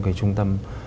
cái trung tâm